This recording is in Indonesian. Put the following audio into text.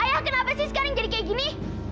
ayah kenapa sih sekarang jadi kayak gini